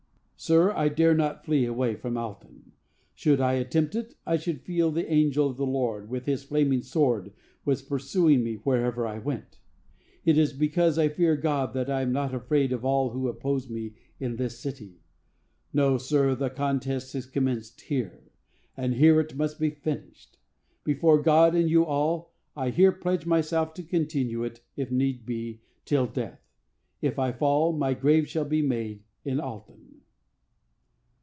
Sir, I dare not flee away from Alton. Should I attempt it, I should feel that the angel of the Lord, with his flaming sword, was pursuing me wherever I went. It is because I fear God that I am not afraid of all who oppose me in this city. No, sir, the contest has commenced here; and here it must be finished. Before God and you all, I here pledge myself to continue it, if need be, till death. If I fall, my grave shall be made in Alton."